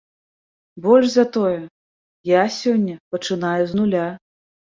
Больш за тое, я сёння пачынаю з нуля.